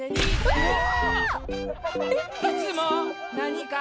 うわ！